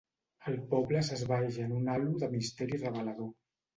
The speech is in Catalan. El poble s'esvaeix en un halo de misteri revelador